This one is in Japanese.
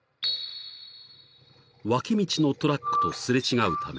［脇道のトラックと擦れ違うため］